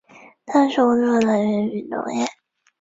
大多数工作来源为农业。